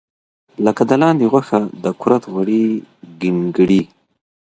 لکه د لاندې غوښه، د کورت غوړي، ګینګړي.